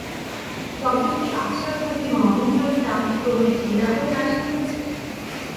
তবে কি আশার প্রতি মহেন্দ্রর টান ক্রমে ঢিলা হইয়া আসিতেছে।